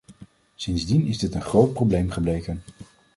Sindsdien is dit een groot probleem gebleken.